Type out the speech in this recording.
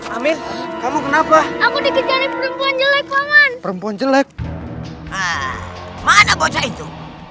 amin kamu kenapa perempuan jelek perempuan jelek mana bocah itu